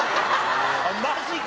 マジか。